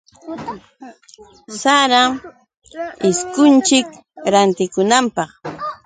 Sara ishkunchik rantikunapaq.